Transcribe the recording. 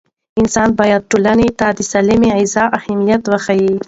انسان باید ټولنې ته د سالمې غذا اهمیت وښيي.